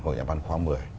hội nhà bán khoa một mươi